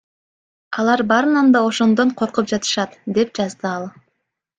Алар баарынан да ошондон коркуп жатышат, — деп жазды ал.